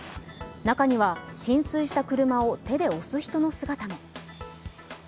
中には浸水した車を手で押す人の姿も。